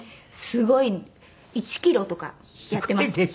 すごい１キロとかやってます。